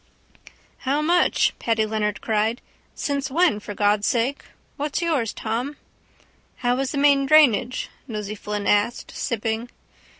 —How much? Paddy Leonard cried. Since when, for God' sake? What's yours, Tom? —How is the main drainage? Nosey Flynn asked, sipping.